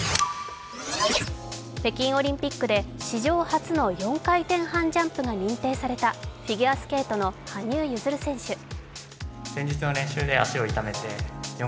北京オリンピックで史上初の４回転半ジャンプが認定されたフィギュアスケートの羽生結弦選手。